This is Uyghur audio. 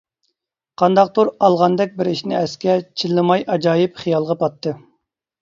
قانداقتۇر ئالغاندەك بىر ئىشنى ئەسكە، چىللىماي ئاجايىپ خىيالغا پاتتى.